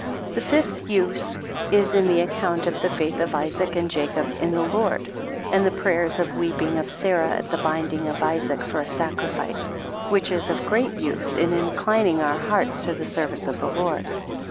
The fifth use is in the account of the faith of Isaac and Jacob in the Lord, and the prayers and weeping of Sarah at the binding of Isaac /or a sacrifice, which is of great use in in clining our hearts to the service of the Lord.